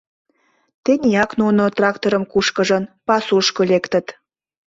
Тенияк нуно, тракторым кушкыжын, пасушко лектыт.